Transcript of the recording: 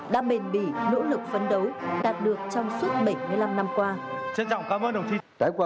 đã bền bỉ nỗ lực phấn đấu đạt được trong suốt bảy mươi năm năm qua